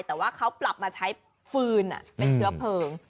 แต่ว่าเขาปรับมาใช้ฟืนเป็นเชื้อเพลิง